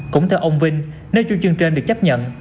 cũng theo ông vinh nếu chủ trương trên được chấp nhận